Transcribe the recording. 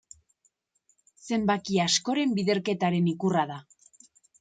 Zenbaki askoren biderketaren ikurra da.